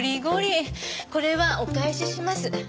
これはお返しします。